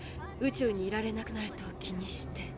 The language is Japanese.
宇宙にいられなくなると気にして。